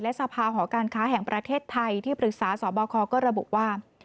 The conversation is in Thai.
สภาหอการค้าแห่งประเทศไทยที่ปรึกษาสบคก็ระบุว่า